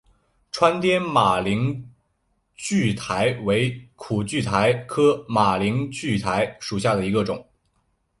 川滇马铃苣苔为苦苣苔科马铃苣苔属下的一个种。